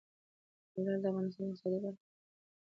لعل د افغانستان د اقتصاد برخه ده.